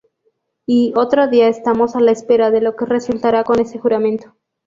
Y otro día: “Estamos a la espera de lo que resultará con ese juramento.